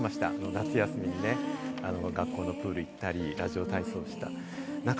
夏休みにね、学校のプール行ったり、ラジオ体操した。